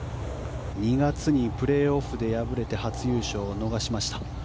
２月にプレーオフで敗れて初優勝を逃しました。